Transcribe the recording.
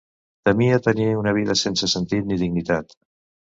Temia tenir una vida sense sentit ni dignitat.